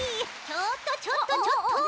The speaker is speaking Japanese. ちょっとちょっとちょっと。